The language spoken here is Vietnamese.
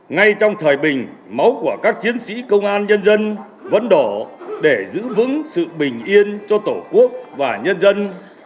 ngay trong thời bình máu của các chiến sĩ công an nhân dân vẫn đổ để giữ vững sự bình yên cho tổ quốc và nhân dân